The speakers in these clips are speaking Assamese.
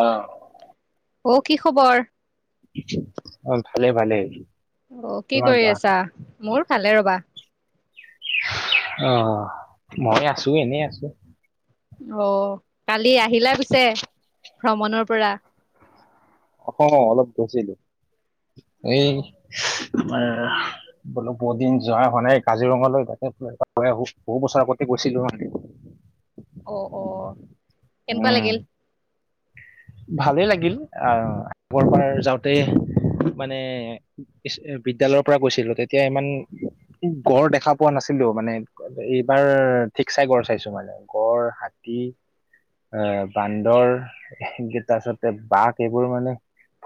অ অ কি খবৰ অ ভালেই ভালেই অ কি কৰি আছা মোৰ ভালে ৰবা অ মই আছো এনেই আছো অ কালি আহিলা পিছে ভ্ৰমণৰ পৰা অ অলপ গৈছিলো এই এ বোলো বহুত দিন যোৱা হোৱা নাই কাজিৰঙালৈ তাতে এপাক গৈ আহো বহু বছৰ আগতে গৈছিলো মানে অ অ কেনেকুৱা উম, লাগিল ভালেই লাগিল আহ আগৰবাৰ যাওঁতে মানে স্ক বিদ্যালয়ৰ পৰা গৈছিলো তেতিয়া ইমান গড় দেখা পোৱা নাছিলো মানে এইবাৰ ঠিকচে গড় চাইছো মানে গড় হাতী এ বান্দৰ তাৰপিছতে বাঘ এইবোৰ মানে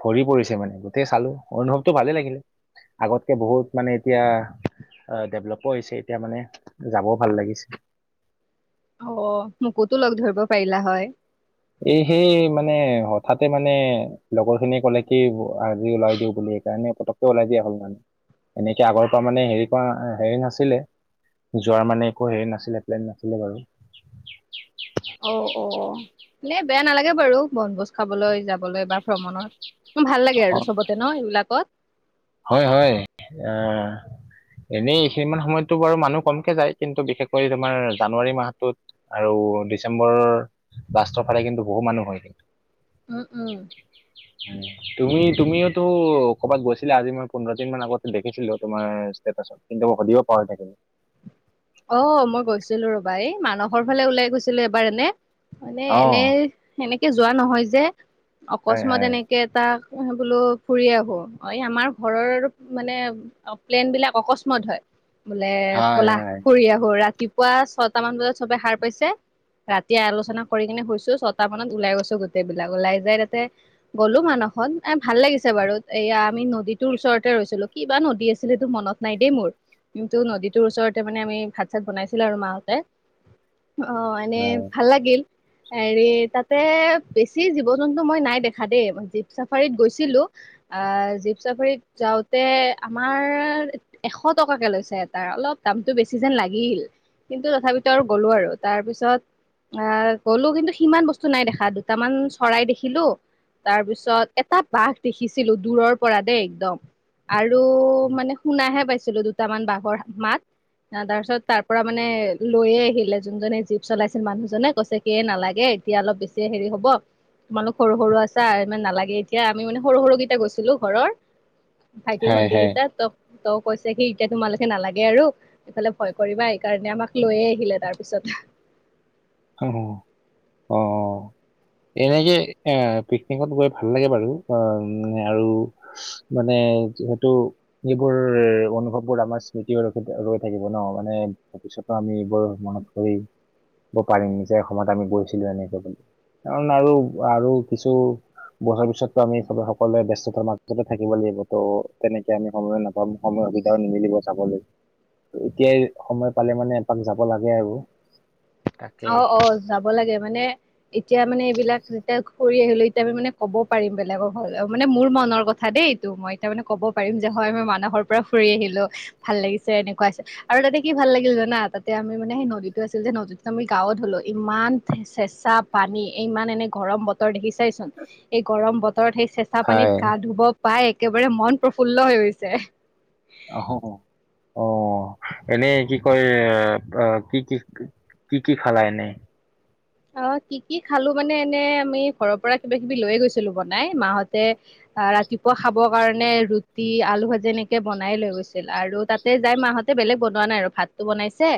ভৰি পৰিছে মানে গোটেই চালো অনুভৱটো ভালেই লাগিলে আগতকে বহুত মানে এতিয়া অ ডেভলপো হৈছে এতিয়া মানে যাবও ভাল লাগিছে অ মোকোতো লগ ধৰিব পাৰিলা হয় এই সেই মানে হঠাতে মানে লগৰ খিনিয়ে কলে কি আজি ওলাই দিওঁ বুলি সেকাৰণে পতক পতককে ওলাই দিয়া হ'ল মানে এনেকে আগৰ পৰা মানে হেৰি কৰা হেৰি নাছিলে যোৱাৰ মানে একো হেৰি নাছিলে প্লেন নাছিলে বাৰু অ অ অ এনে বেয়া নালাগে বাৰু বনভোজ খাবলৈ যাবলৈ বা ভ্ৰমণত ভাল লাগে আৰু অ চবতে ন সেইবিলাকত হয় হয় আ এনেই এইখিনিমান সময়ততো বাৰু মানুহ কমকে যায় কিন্তু বিশেষকৈ তোমাৰ জানুৱাৰী মাহটোত আৰু ডিচেম্বৰৰ লাষ্টৰ ফালে কিন্তু বহু মানুহ হয় উম উম হয় তুমি তুমিওটো কৰ'বাত গৈছা গৈছিলা আজি মই পোন্ধৰদিনমান আগতে দেখিছিলো তোমাৰ ষ্টেটাচত কিন্তু মই সুধিব পাহৰি থাকিলো অ মই গৈছিলো ৰবা এই মানসৰ ফালে ওলাই গৈছিলো এবাৰ এনে মানে অ এনেই সেনেকে যোৱা নহয় যে, হয় অকস্মাত হয় এনেকে কে তাক বোলো ফুৰি আহো, অঁ এই আমাৰ ঘৰৰ মানে অ প্লেন বিলাক অকস্মাত হয় বোলে হয় বলাহ। হয় ফুৰি আহো। ৰাতিপুৱা ছয়টামান বজাত সবে সাৰ পাইছে ৰাতিয়ে আলোচনা কৰি কিনে শুইছো ছটা মানত ওলাই গৈছো, গোটেই বিলাক ওলাই যাই তাতে গ'লো মানসত, এ ভাল লাগিছে বাৰু এয়া আমি নদীটোৰ ওচৰতে ৰৈছিলো। কিবা নদী আছিল হেটো মনত নাই দেই মোৰ, কিন্তু নদীটোৰ ওচৰত মানে আমি ভাত চাত বনাইছিলো আৰু মা হতে, অঁ এনে ভাল লাগিল। হেৰি তাতে বেছি জীৱ জন্তু মই নাই দেখা দেই জীপ চাফাৰীত গৈছিলো। আহঁ জীপ চাফাৰীত যাওঁতে আমাৰ এশ টকাকে লৈছে এটা অলপ। দামটো বেছি যেন লাগিল, কিন্তু তথাপিতো আৰু গ'লো আৰু তাৰপিছত আহ গ'লো কিন্তু সিমান বস্তু নাই দেখা দুটামান চৰাই দেখিলো। তাৰ পিছত এটা বাঘ দেখিছিলো দূৰৰ পৰা দেই একদম। আৰু মানে শুনাহে পাইছিলো দুটামান বাঘৰ মাত। আহঁ তাৰপিছত তাৰ পৰা মানে লৈয়ে আহিলে, যোনজনে জীপ চলাইছিল মানুহজনে কৈছে এ নালাগে এতিয়া অলপ বেছি হেৰি হব। তোমালোক সৰু সৰু আছা ইমান নালাগে এতিয়া আমি মানে সৰু সৰুকেইটা গৈছিলো ঘৰ। ভাইটি হয় ভন্টি হয় হয় কেইটা ত ত কৈছে সি এতিয়া তোমালোকে নালাগে আৰু। ইফালে ভয় কৰিবা এইকাৰণে আমাক লৈয়ে আহিলে তাৰপিছত। অহঁ অঁ অঁ এনেকে এ পিকনিকত গৈ ভাল লাগে বাৰু, অঁ আৰু মানে যিহেতু যিবোৰ অনুভৱবোৰ আমাৰ স্মৃতি হৈ ৰখি ৰৈ থাকিব ন মানে। তাৰপিছতো আমি এইবোৰ মনত পৰি ব পাৰিম যে এসময় আমি গৈছিলো এনেকে বুলি, কাৰণ আৰু আৰু কিছু বহাৰ পিছতো আমি চবে সকলোৱে ব্যস্ততাৰ মাজতে থাকিব লাগিব ত তেনেকে আমি সময় নাপ কম সময় সুবিধাও নিমিলিব যাবলৈ, ত এতিয়াই সময় পালে মানে এপাক যাব লাগে আৰু। তাকে অ অ যাব লাগে মানে। এতিয়া মানে এইবিলাক যেতিয়া ঘূৰি আহিলো এতিয়া আমি মানে ক'ব পাৰিম বেলেগক হ'ল মানে মোৰ মনৰ কথা দেই। ত মই তামানে ক'ব পাৰিম যে হয় মই মানাহৰ পৰা ফুৰি আহিলো। ভাল লাগিছে এনেকুৱা হৈছে, আৰু তাতে কি ভাল লাগিল জানা তাতে আমি মানে সেই নদীতো আছিল যে নদীত আমি গাও ধুলো ইমান চেঁচা পানী ইমান এনে গৰম বতৰ দেখি চাইচোন। এই গৰম বতৰত সেই চেঁচা পানীত হয় গা ধুব পাই একেবাৰে মন প্ৰফুল্ল হৈ গৈছে। অঁহ অ এনেই কি কয়, এ কি কি কি কি খালা এনে? অঁ কি কি খালো মানে এনে আমি ঘৰৰ পৰা কিবা কিবি লৈয়ে গৈছিলো বনাই, মাহতে ৰাতিপুৱা খাবৰ কাৰণে ৰুটি, আলু ভাজি এনেকে বনাই লৈ গৈছিল, আৰু তাত তে যাই মাহঁতে বেলেগ বনোৱা নাই আৰু ভাতটো বনাইছে।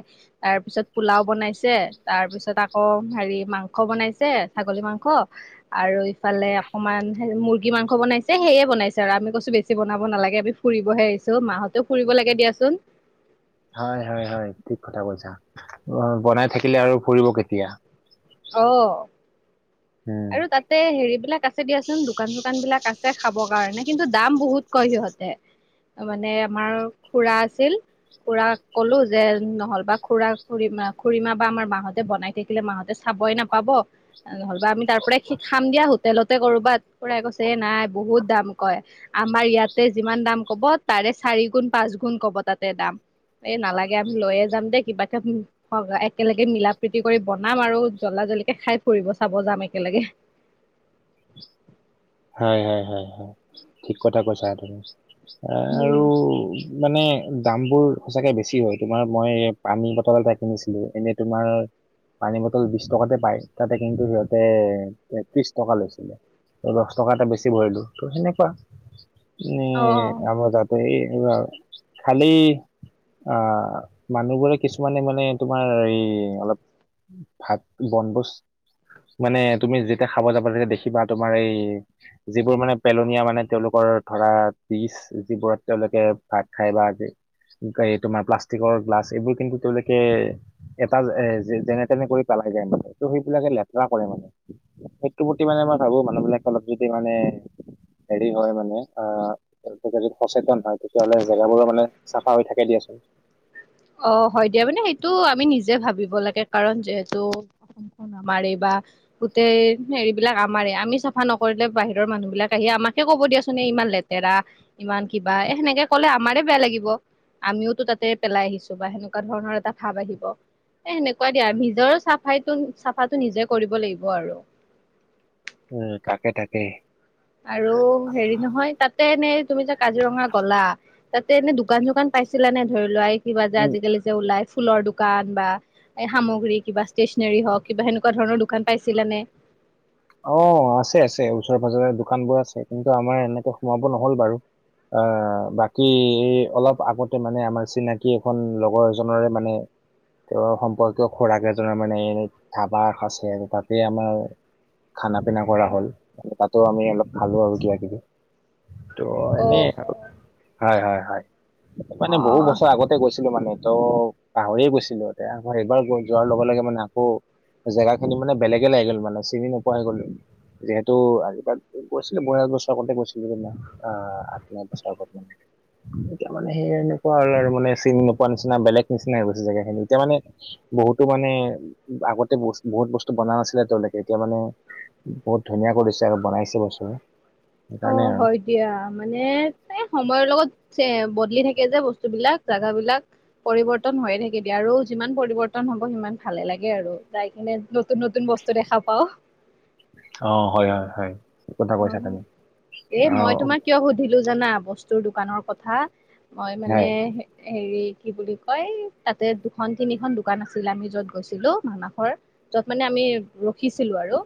তাৰ পিছত পোলাও বনাইছে, তাৰ পিছত আকৌ হেৰি মাংস বনাইছে, ছাগলী মাংস আৰু ইফালে অকণমান মুৰ্গী মাংস বনাইছে, সেয়ে বনাইছে আৰু আমি কৈছো বেছি বনাব নালাগে। ফুৰিবহে আহিছো, মাহঁতেও ফুৰিব লাগে দিয়াচোন। হয় হয় হয় ঠিক কথা কৈছা, অ বনাই থাকিলে আৰু ফুৰিব কেতিয়া। অ উম। আৰু তাতে হেৰি বিলাক আছে দিয়াচোন দোকান চোকান বিলাক আছে খাবৰ কাৰণে কিন্তু দাম বহুত কয় সিহঁতে। মানে আমাৰ খুৰা আছিল। খুৰা কলো যে নহ'লবা খুৰা খুীমা খুুৰীমা বা আমাৰ মাহতে বনাই থাকিলে মাহতে চাবই নাপায় পাব নহ'লেবা আমি তাৰ পৰা খাম দিয়া সুত তেলতে কৰবাত কৰাই কৈছে এ নাই বহুত দাম কয় আমাৰ ইয়াতে যিমান দাম ক'ব তাৰে চাৰি গুণ পাঁচ গুণ ক'ব তাতে দাম। এই নালাগে আমি লৈয়ে যাম দেই কিবাকে হয় একেলগে মিলা প্ৰীতি কৰি বনাম আৰু জ্বলদা জ্বদিকে খাই ফুৰিব চাব যাম একেলগে। হয়, হয় ঠিক কথা কৈছা আ তুম এ উম আৰু মানে দাম বোৰ সঁচাকে বেছি হয় তোমাৰ মই পানী বটল এটা কিনিছিলোঁ এনেই তোমাৰ পানী বটল বিশ টকাতে পাই তাতে কিন্তু সিহঁতে ত্ৰিশ টকা লৈছিলে। দহ টকা এটা বেছি ভৰিলো ত সেনেকুৱা এ অ অ আমাৰ জাত এই খালি অ', মানুহবোৰে কিছুমানে মানে তোমাৰ এই অলপ ভাত বনভোজ মানে তুমি যেতিয়া খাব যাবা যেতিয়া দেখিবা তোমাৰ এই যিবোৰ মানে পেলনীয়া মানে তেওঁলোকৰ ধৰা তিছ যিবোৰত তেওঁলোকে ভাত খাই বা আজি এই তোমাৰ প্লাষ্টিকৰ গ্লাছ এইবোৰ কিন্তু তেওঁলোকে এটা এ যেনে তেনে কৰি পেলাই যায় মানে ত' সেইবিলাকে লেতেৰা কৰে মানে সেইটো প্ৰতি মানে মই ভাবোঁ মানুহ বিলাক অলপ যদি মানে এৰি হয় মানে অ'। তেওঁলে যদি সচেতন হয় তেতিয়াহ'লে জেগাবোৰো মানে চাফা হৈ থাকে দিয়াচোন। অ', হয় দিয়া মানে সেইটো আমি নিজে ভাবিব লাগে কাৰণ যিহেতু মাৰিবা। গোটেই হেৰিবিলাক আমাৰে আমি চাফা নকৰিলে বাহিৰৰ মানুহ বিলাক আহি আমাকে ক'ব দিয়াচোননেে ইমান লেট তেৰা ইমান কিবা এ সেনেকে কলে আমাৰে বেয়া লাগিব আমিওতো তাতে পেলাই আহিছোঁ। বা সেনেকুৱা ধৰণৰ এটা ভাব আহিব। এ সেনেকুৱা দিয়া আৰু নিজৰ চাফাইো চাফাটো নিজে কৰিব লাগিব আৰু। উম তাকে, তাকে। আৰু হেৰি নহয় তাতে এনেই তুমি যে কাজিৰঙা গ'লা তাতে এনে দোকান চোকান পাইছিলা নে ধৰি লোৱা এই কিবা যে উম আজিকালি যে ওলাই ফুলৰ দোকান দোকান বা এই সামগ্ৰী কিবা ষ্টেচনেৰী হওক কিবা সেনেকুৱা ধৰণৰ দোকান পাইছিল নে অ', আছে আছে ওচৰে পাজৰে দোকান বোৰ আছে কিন্তু আমাৰ এনেকে সোমাব নহ'ল বাৰু। আহ বাকী অলপ আগতে মানে আমাৰ চিনাকি এখন লগৰ এজৰে মানে তেওঁৰ সম্পৰ্কীয় খোৰাক এজনৰ মানে এনে ধাবা আছে আৰু তাতে আমাৰ খানা পিনা কৰা হ'ল তাতো আমি অলপ খালো আৰু কিবা কিবি ত এনে অ', আৰু হয়, হয়, হয়। অ'। মানে বহুত অ', বছৰ আগতে গৈছিলোঁ মানে ত পাহৰিয়ে গৈছিলোতে প এইবাৰ যোৱাৰ লগে লগে মানে আকৌ জেগা খিনি মানে বেলেগে লি গল মানে চিনি নোপোৱা হৈ গ'ল। যিহেতু আজিকালি গৈছিলে মই এবছৰ আগতে গৈছিলোঁ যেদি নাই অ', আত্মীয় বচা এতিয়া মানে সেই এনেকুৱা আৰু মানে চিন নোপোৱা নিচিনা বেলেগ নিচিনা হৈ গৈ জেগা খিনি এতিয়া মানে বহুতো মানে আগতে ব বহুত বস্তু বনা নাছিলে তেওঁলোকে এতিয়া মানে বহুত ধুনীয়া কৰিছে আৰু বনাইছে বস্তু সেইকাৰণে অ', আৰু। হয় দিয়া মানে এ সময়ৰ লগত চে বদলি থাকে যে বস্তু বিলাক জাগাবিলাক। পৰিবৰ্তন হৈয়ে থাকে দিয়া আৰু যিমান পৰিবৰ্তন হব সিমান ভালে লাগে আৰু যাই কিনে। নতুন নতুন বস্তু দেখা পাও। অ হয় হয় হয়। ঠিক কথা অ, কৈছা তুমি এ অ মই তোমাৰ কিয় সুধো - সুধিলো জানা, বস্তুৰ দোকানৰ কথা। মই হয় মানে - হেৰি কি বুলি কয় তাতে দুখন তিনিখন দোকান আছিল আমি যত গৈছিলো মানাসৰ - যত মানে আমি ৰখিছিলো আৰু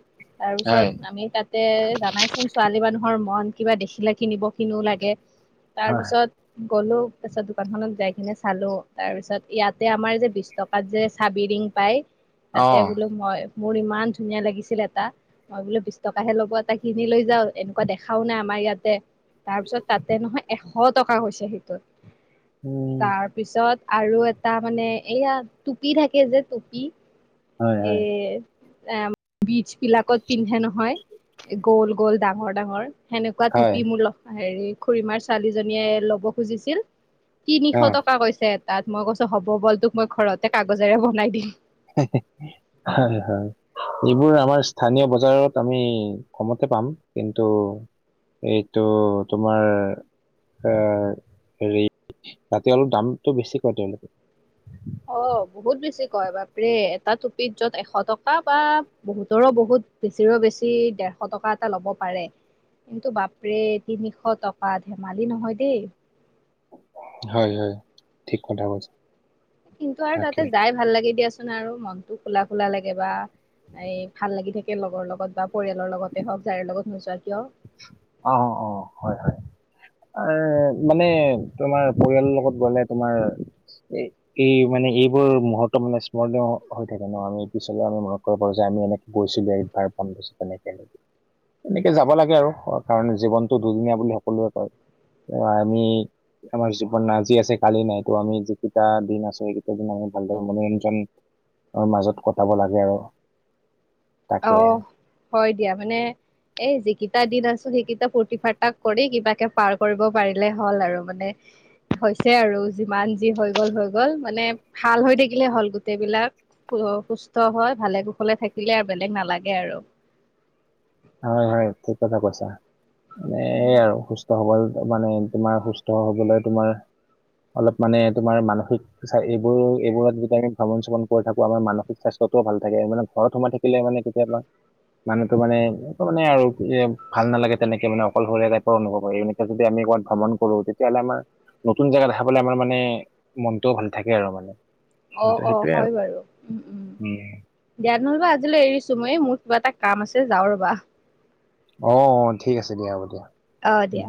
হয় তাৰপিছত আমি তাতে - জানাই চোন ছোৱালী মানুহৰ মন কিবা দেখিলে কিনিব কিনিও লাগে। হয় তাৰপিছত - গ'লো তাপিছত দোকানখনত যাই কিননে চালো। তাৰ পিছত ইয়াতে আমাৰ যে বি - বিশ টকাত যে চাবি ৰিং পাই - তাতে অ', বোলো মই মোৰ ইমান ধুনীয়া লাগিছিল এটা মই বোলো বিশ টকাহে ল'ব এটা কি - কিনি লৈ যাও এনেকুৱা দেখাও নাই আমাৰ ইয়াতে - তাৰ পিছত তাতে নহয় এশ টকা কৈছে সেইটোত। উম, তাৰ পিছত আৰু এ - তাৰ মানে এইয়া টুপি থাকে যে টুপি হয়, এ হয়। - এ বীজ বিলাকত পিন্ধে নহয় গ'ল গ'ল ডাঙৰ ডাঙৰ - সেনেকুৱা হয়, টুপি মোৰ ল হেৰি খুড়ীমাৰ ছোৱালীজনীয়ে ল'ব খুজিছিল - তিনিশ অ'। টকা কৈছে এটাত, মই কৈছো হ'ব বল তোক মই ঘৰতে কাগজেৰে বনাই দিম। হয়, হয়। যিবোৰ আমাৰ স্থানীয় বজাৰত আমি কমতে পাম, কিন্তু - এইটো তোমাৰ - এ হেৰি তাতে অলপ দামটো বেছি কয় তেওঁলোকে। অ বহুত বেছি কয় বাপৰে এটা টুপিত যত এশ টকা বা বহুতৰো বহুত - বেছিৰো বেছি ডেৰশ টকা এটা ল'ব পাৰে। কিন্তু বাপৰে তিনিশ টকা ধেমালি নহয় দেই। হয় হয়। ঠিক কথা কৈছা। কিন্তু আৰু তাকে। তাতে যাই ভাল লাগে দিয়াচোন আৰু মনত খোলা খোলা লাগে বা - এই ভাল লাগি থাকে লগৰ লগত বা পৰিয়ালৰ লগতে হওক যাৰ লগত নোযোৱা কিয়। অ, অ, অ হয়, হয়। এ মানে তোমাৰ পৰিয়ালৰ লগত গলে তোমাৰ এই - এই মানে এইবোৰ মুহুৰ্ত্ত মানে স্মৰণীয় হৈ থাকে ন আমি পিছলে আমি মনত কৰিব পাৰো যে আমি এনেকে - গৈছিলো একবাৰ [unintelligible] এনেকে যাব লাগে সেয়ে আৰু কাৰণ জীৱনতটো দুদিনীয়া বুলি সকলোৱে কয়। আমি - আমাৰ জীৱন আজি আছে কালি নাই তো আমি যিকেইটা দিন আছো সেইকেইটা দিন আমি ভালদৰে মনোৰঞ্জন - মাজত কটাব লাগে আৰু। তাকে অ হয় দিয়া, মানে এই যিকিটা দিন আছো সেইকেইটা ফুৰ্তি ফাৰ্তা - কৰি কিবাকে পাৰ কৰিব পাৰিলে হল আৰু মানে - হৈছে আৰু যিমান যি হৈ গল হৈ গ'ল মানে ভাল হৈ থাকিলে হ'ল গোটেইবিলাক। সু সুস্থ হৈ ভালে কুশলে থাকিলে আৰু বেলেগ নালাগে আৰু। হয় হয় ঠিক কথা কৈছা। উম এইয়ে আৰু সুস্থ-সবল - মানে তোমাৰ সুস্থ হবলৈ তোমাৰ অলপ মানে তোমাৰ মানসিক - এইবোৰ এইবোৰ যেতিয়া আমি ভ্ৰমণ চৰ্মণ কৰি থাকো আমাৰ মানসিক স্বাস্থ্যটো ভাল থাকে। মানে ঘৰত সোমাই থাকিলে - থাকিলে মানে কেতিয়াবা মানুহটো মানে - এনেকে মানে আৰু এ ভাল নালাগে তেনেকে মানে অকশৰীয়া টাইপৰ অনুভৱ হয় এনেকে যদি আমি ক'ৰবাত ভ্ৰমণ কৰো তেতিয়া হ'লে আমাৰ নতুন জেগা দেখা পালে আমাৰ মানে মনটোও ভাল থাকে আৰু মানে অঁ হয়তো অঁ সেইটোয়ে আৰু হয় বাৰু উমঁ উমঁ। উম দিয়া নহ'বা আজিলৈ এৰিছো মই মোৰ কিবা এটা কাম আছে যাওঁ ৰবা। অঁ অঁ ঠিক আছে দিয়া হ'ব দিয়া। অঁ উম দিয়া